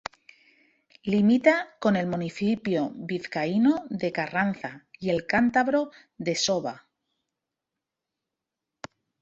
Limita con el municipio vizcaíno de Carranza y el cántabro de Soba.